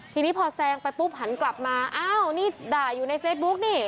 ทีนี้พอแซงไปปุ๊บหันกลับมาอ้าวนี่ด่าอยู่ในเฟซบุ๊กนี่